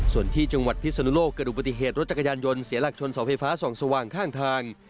ส่วนที่จังหวัดพิศนุโลกเกิดอุบัติเหตุรถจักรยานยนต์เสียหลักชนเสาไฟฟ้าส่องสว่างข้างทาง